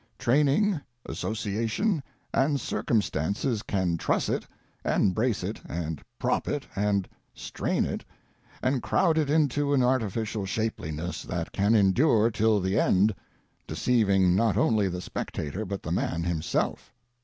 Training, association and circumstances can truss it, and brace it, and prop it, and strain it, and crowd it into an artificial shapeliness that can endure till the end, deceiving not only the spectator but the man himself.